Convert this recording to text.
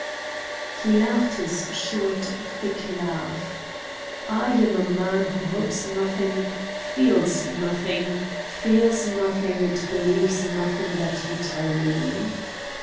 He laughed his short thick laugh. "I am a man who hopes nothing, feels nothing, fears nothing, and believes nothing that you tell me!"